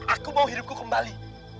aku mau hidupku kembali